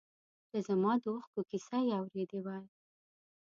چې زما د اوښکو کیسه یې اورېدی وای.